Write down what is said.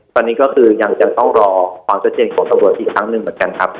ตอนนี้ก็คือยังจะต้องรอความชัดเจนของตำรวจอีกครั้งหนึ่งเหมือนกันครับ